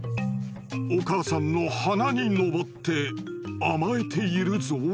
お母さんの鼻に登って甘えているぞ。